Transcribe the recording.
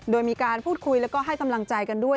โดยมีการพูดคุยแล้วก็ให้กำลังใจกันด้วย